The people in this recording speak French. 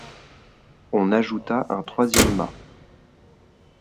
On ajouta un troisième mât.